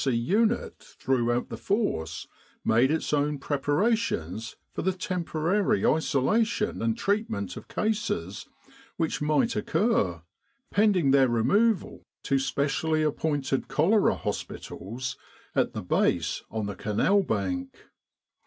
C. unit throughout the Force made its own preparations for the tem porary isolation and treatment of cases which might occur, pending their removal to specially appointed cholera hospitals at the Base on the Canal bank.